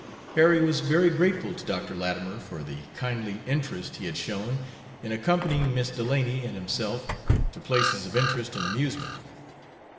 Harry was very grateful to Dr. Latimer for the kindly interest he had shown in accompanying Miss Delany and himself to places of interest and amusement.